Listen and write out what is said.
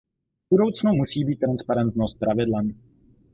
V budoucnu musí být transparentnost pravidlem.